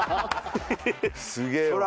すげえわ。